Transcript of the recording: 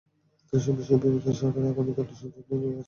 এসব বিষয় বিবেচনায় নিয়ে সরকারকে আগামী দিনে শিশুদের জন্য কাজ করতে হবে।